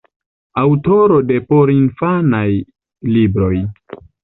Aŭtoro de porinfanaj libroj.